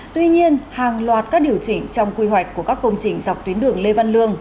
tuy nhiên hàng loạt các điều chỉnh trong quy hoạch của các công trình dọc tuyến đường lê văn lương